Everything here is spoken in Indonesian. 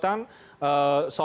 tiga t menjadi sorotan